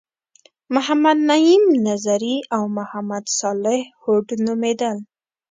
محمد نعیم نظري او محمد صالح هوډ نومیدل.